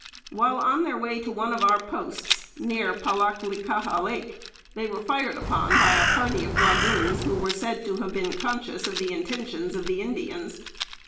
While on their way to one of our posts, near Palaklikaha Lake, they were fired upon by a party at dragoons who were said to have been conscious of the intentions of the Indians.